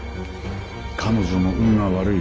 彼女も運が悪い。